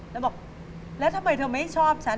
แล้วบอกแล้วทำไมเธอไม่ชอบฉัน